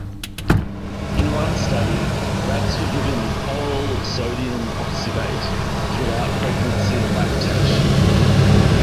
In one study, rats were given oral sodium oxybate throughout pregnancy and lactation.